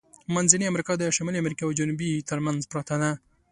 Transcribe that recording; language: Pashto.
منځنۍ امریکا د شمالی امریکا او جنوبي ترمنځ پرته ده.